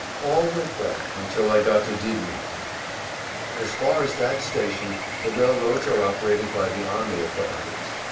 All went well until I got to Diedenhofen. As far as that station the railroads are operated by the army authorities.